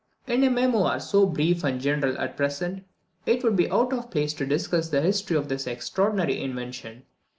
In a memoir so brief and general as the present, it would be out of place to discuss the history of this extraordinary invention.